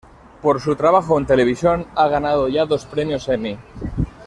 Por su trabajo en televisión ha ganado ya dos premios Emmy.